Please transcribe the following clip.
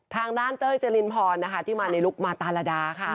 ทางด้านเต้ยเจรินพรนะคะที่มาในลุคมาตาระดาค่ะ